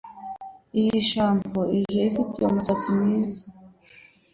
Iyi shampoo ije ifite umusatsi mwiza.